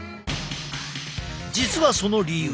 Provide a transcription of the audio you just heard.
実はその理由